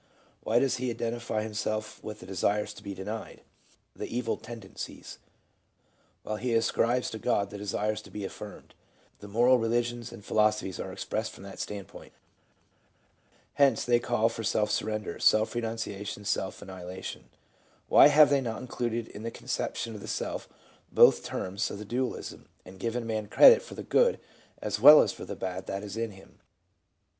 Why does he identify himself with the desires to be denied, the evil tendencies ; while he ascribes to God the desires to be affirmed 1 The moral religions and philosophies are expressed from that standpoint. Hence they call for seZ/' surrender, self renunciation, self annihila tion. Why have they not included in the conception of the "self" both terms of the dualism and given man credit for the good as well as for the bad that is in him?